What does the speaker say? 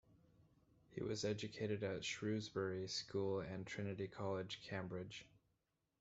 He was educated at Shrewsbury School and Trinity College, Cambridge.